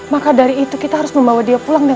maka dari itu kita harus membawa dia ke tempat yang baik